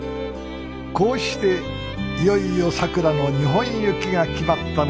こうしていよいよさくらの日本行きが決まったのでした。